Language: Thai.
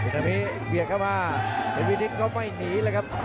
สุนิมิดเก็บเข้ามาเพชรวินิสต์ก็ไม่หนีเลยครับ